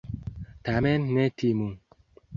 Tamen ne timu!